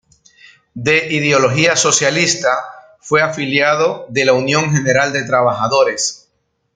De ideología socialista, fue afiliado de la Unión General de Trabajadores.